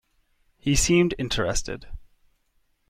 He seemed interested.